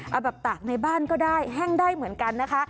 เอาแบบตากในบ้านก็ได้แห้งได้เหมือนกันนะคะ